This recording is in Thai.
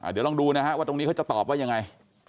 เดี๋ยวลองดูนะฮะว่าตรงนี้เขาจะตอบว่ายังไง